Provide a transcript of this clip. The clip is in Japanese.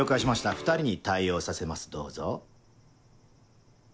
２人に対応させますどうぞ。